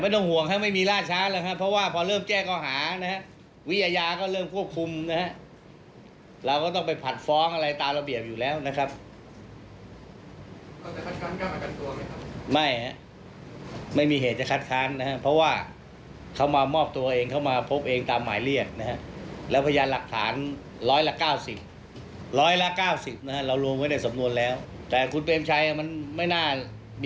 แต่คุณเพมชัยมันไม่น่ามีปัญหาแล้วครับ